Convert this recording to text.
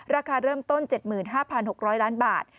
ราคาเริ่มต้น๗๕๖๐๐ล้านบาท